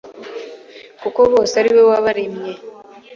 kuko bose ari we wabaremye